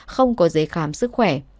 không có giấy khám sức khỏe